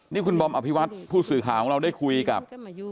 นี่คุณบอมอภิวัตผู้สื่อข่าวของเราได้คุยกับ